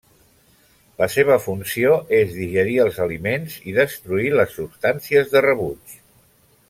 La seva funció és digerir els aliments i destruir les substàncies de rebuig.